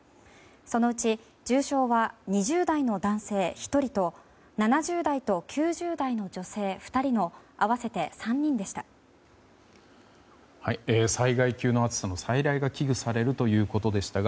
そのうち重症は２０代の男性１人と７０代と９０代の女性２人の合わせて３人でした。